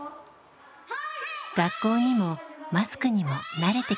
学校にもマスクにも慣れてきました。